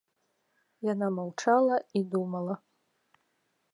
Яна маўчала і думала.